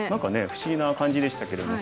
不思議な感じでしたけれども。